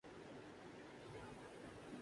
آپ کو کس بات کی تکلیف ہے؟